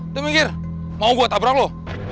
udah minggir mau gue tabrak lo